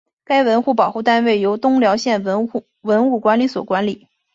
该文物保护单位由东辽县文物管理所管理。